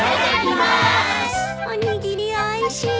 おにぎりおいしい。